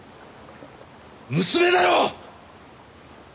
娘だろ！